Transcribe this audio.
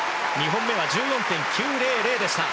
２本目は１４．９００でした。